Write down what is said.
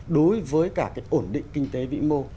đối với cả cái ổn định kinh tế vĩ mô